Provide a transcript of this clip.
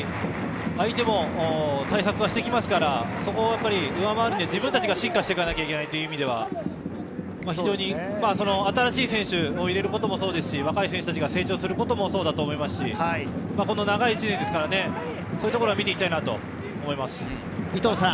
相手も対策はしてきますから、そこを上回るには自分たちが進化していかなきゃいけないという意味では非常に新しい選手を入れることもそうですし、若い選手が成長することもそうですし、そういうところ見ていきたいと思います。